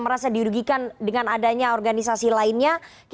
oke semoga pembentukan organisasi banyak